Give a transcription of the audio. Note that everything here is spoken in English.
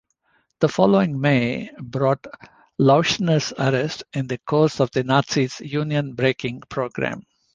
The following May brought Leuschner's arrest in the course of the Nazis' union-breaking programme.